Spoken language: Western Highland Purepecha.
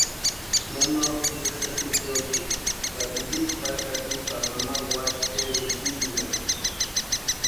Nana Olga niraxati tiosïu ka tsïtsïki paxati pari nana wari kʼerini pirirani.